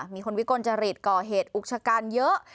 มีคนวิกลจริตก่อเหตุอุกชะกันเยอะ